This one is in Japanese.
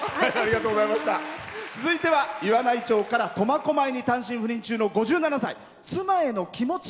続いては岩内町から苫小牧に単身赴任中の５７歳。